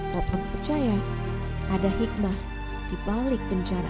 popon percaya ada hikmah dibalik bencana